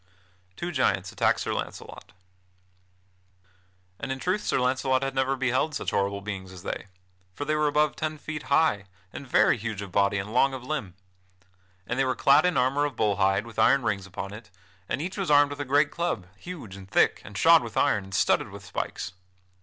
[Sidenote: Two giants attack Sir Launcelot] And in truth Sir Launcelot had never beheld such horrible beings as they; for they were above ten feet high, and very huge of body and long of limb. And they were clad in armor of bull hide with iron rings upon it, and each was armed with a great club, huge and thick, and shod with iron, and studded with spikes.